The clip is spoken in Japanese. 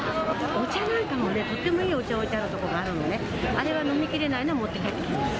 お茶なんかもね、とってもいいお茶を置いてあるとこあるのね、あれは飲みきれないのは持って帰ってきます。